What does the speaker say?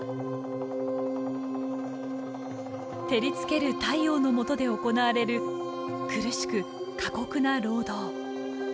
照りつける太陽のもとで行われる苦しく過酷な労働。